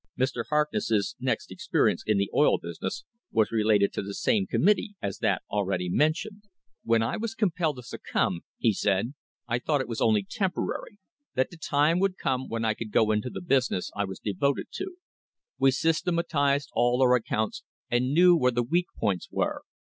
Mr. Harkness's next experience in the oil business was related to the same committee as that already mentioned: "When I was compelled to succumb," he said, "I thought it was only tempo I rarily; that the time would come when I could go into the business I was devoted to. j| We systematised all our accounts and knew where the weak points were.